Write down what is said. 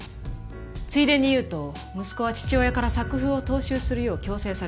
ついでに言うと息子は父親から作風を踏襲するよう強制されていたらしい。